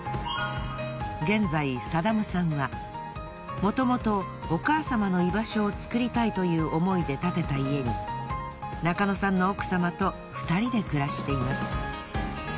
現在運命さんはもともとお母様の居場所を作りたいという思いで建てた家に中野さんの奥様と２人で暮らしています。